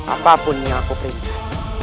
apapun yang aku perintah